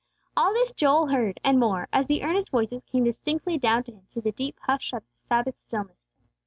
All this Joel heard, and more, as the earnest voices came distinctly down to him through the deep hush of the Sabbath stillness.